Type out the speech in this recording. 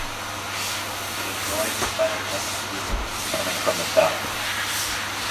It is joined by the Lech river coming from the south.